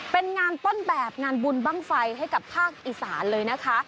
เป็นงานต้นแบบงานบุญบ้างไฟให้กับภาคอีสานเลยนะคะ